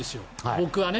僕はね。